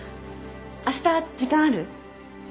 あした時間ある？